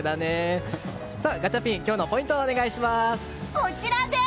ガチャピン、今日のポイントをお願いします。